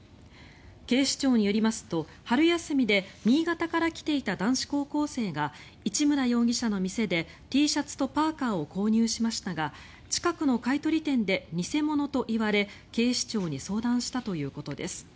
警視庁によりますと春休みで新潟から来ていた男子高校生が市村容疑者の店でＴシャツとパーカを購入しましたが近くの買い取り店で偽物と言われ警視庁に相談したということです。